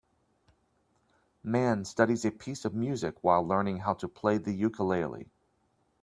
Man studies a piece of music while learning how to play the ukulele.